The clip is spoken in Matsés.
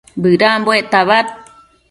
bëdambuec tabad